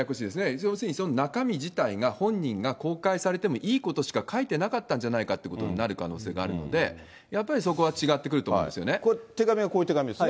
要するに、その中身自体が本人が公開されてもいいことしか書いてなかったんじゃないかということになる可能性があるので、やっぱり、そこは手紙は、こういう手紙ですよ